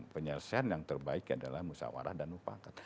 penyelesaian yang terbaik adalah musyawarah dan upakat